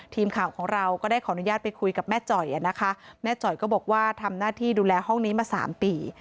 ทีมข่าวของเราก็ได้ขออนุญาตไปคุยกับแม่จ่อยนะคะแม่จ่อยก็บอกว่าทำหน้าที่ดูแลห้องนี้มา๓ปี